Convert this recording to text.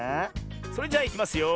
それじゃあいきますよ。